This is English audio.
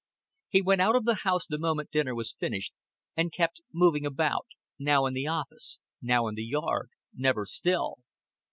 He went out of the house the moment dinner was finished, and kept moving about, now in the office, now in the yard, never still.